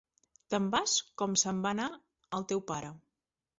Te'n vas com se'n va anar el teu pare.